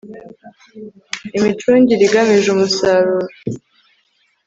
imicungire igamije umusaruro